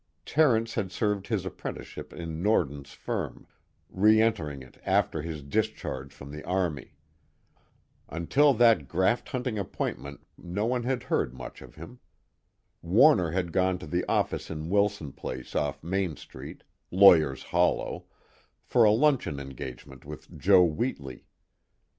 Terence had served his apprenticeship in Norden's firm, re entering it after his discharge from the Army. Until that graft hunting appointment no one had heard much of him. Warner had gone to the office on Wilson Place off Main Street "Lawyers' Hollow" for a luncheon engagement with Joe Wheatley.